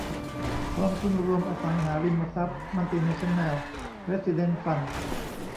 กองทุนรวมอสังหาริมทรัพย์มัลติเนชั่นแนลเรสซิเดนซ์ฟันด์